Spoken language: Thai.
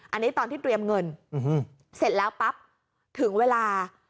อันนี้ตอนที่เตรียมเงินเสร็จแล้วปั๊บถึงเวลา